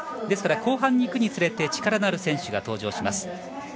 ですから後半にいくにつれて力のある選手が登場します。